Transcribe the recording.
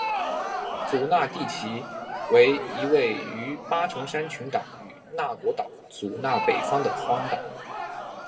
祖纳地崎为一位于八重山群岛与那国岛祖纳北方的荒岛。